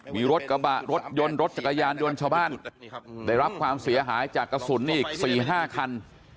มีรถกระบะรถยนต์รถจักรยานยนต์ชาวบ้านได้รับความเสียหายจากกระสุนอีก๔๕คัน